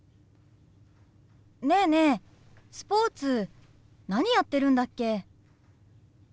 ねえねえスポーツ何やってるんだっけ？